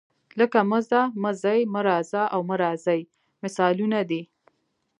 لکه مه ځه، مه ځئ، مه راځه او مه راځئ مثالونه دي.